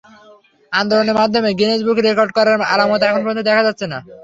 আন্দোলনের মাধ্যমে গিনেস বুকে রেকর্ড করার আলামত এখন পর্যন্ত দেখা যাচ্ছে না।